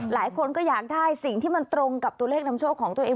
หลายคนก็อยากได้สิ่งที่มันตรงกับตัวเลขนำโชคของตัวเอง